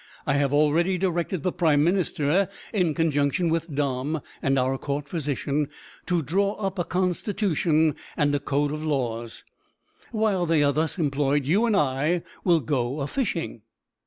I have already directed the prime minister, in conjunction with Dom and our Court physician, to draw up a constitution and code of laws; while they are thus employed you and I will go a fishing."